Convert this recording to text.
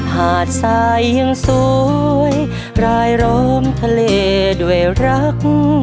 หาดทรายยังสวยรายล้อมทะเลด้วยรัก